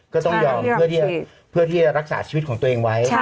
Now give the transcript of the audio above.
ก็ต้องยอมเพื่อที่จะรักษาชีวิตของตัวเองไว้